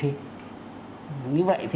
đúng như vậy